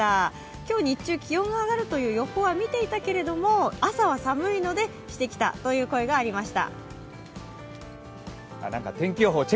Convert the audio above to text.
今日日中、気温が上がるという予報は見ていたけれど朝は寒いのでしてきたという声がありました。